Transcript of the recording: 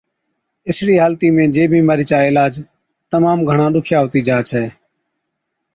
اِسڙِي حالتِي ۾ جي بِيمارِي چا عِلاج تمام گھڻا ڏُکِيا هُتِي جا ڇَي۔